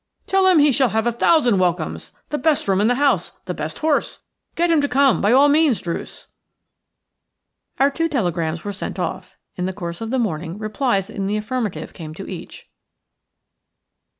"Tell him he shall have a thousand welcomes, the best room in the house, the best horse. Get him to come by all means, Druce." Our two telegrams were sent off. In the course of the morning replies in the affirmative came to each.